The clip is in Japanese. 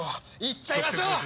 いっちゃいましょう！